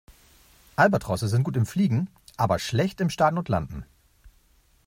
Albatrosse sind gut im Fliegen, aber schlecht im Starten und Landen.